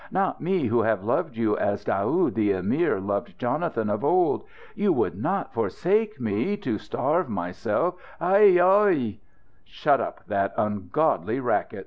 Not me, who have loved you as Daoud the Emir loved Jonathan of old! You would not forsook me, to starve myself! Aie! Ohé!" "Shut up that ungodly racket!"